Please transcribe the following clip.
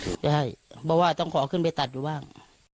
ใช่เพราะว่าต้องขอขึ้นไปตัดอยู่บ้าง